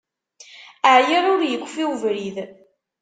Ɛyiɣ, ur yekfi ubrid.